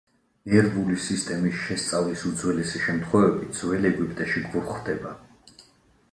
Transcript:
ნერვული სისტემის შესწავლის უძველესი შემთხვევები ძველ ეგვიპტეში გვხვდება.